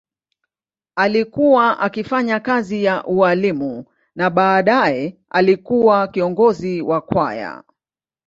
Alikuwa akifanya kazi ya ualimu na baadaye alikuwa kiongozi wa kwaya.